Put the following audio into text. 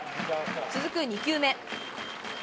続く２球目。